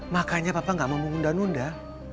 makanya papa gak mau menunda nunda